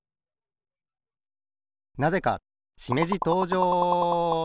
なぜかしめじとうじょう！